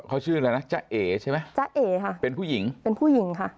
เขาชื่ออะไรนะจ๊ะเอ๋ใช่ไหมจ๊ะเอ๋ค่ะเป็นผู้หญิงเป็นผู้หญิงค่ะ